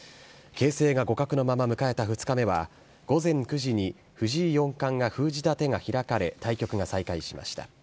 形勢が互角のまま迎えた２日目は、午前９時に藤井四冠が封じた手が開かれ、対局が再開しました。